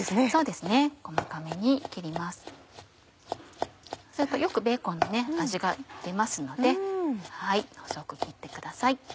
するとよくベーコンの味が出ますので細く切ってください。